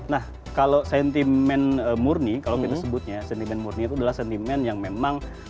nah kalau sentimen murni kalau kita sebutnya sentimen murni itu adalah sentimen yang memang